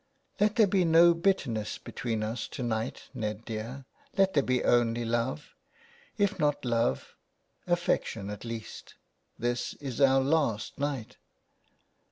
" Let there be no bitterness between us to night, Ned dear. Let there be only love. If not love, affection at least. This is our last night."